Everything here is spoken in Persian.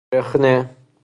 رخنه